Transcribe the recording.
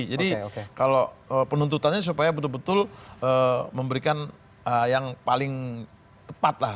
jadi kalau penuntutannya supaya betul betul memberikan yang paling tepat lah